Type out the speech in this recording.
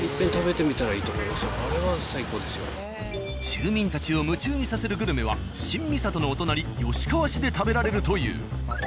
住民たちを夢中にさせるグルメは新三郷のお隣吉川市で食べられるという。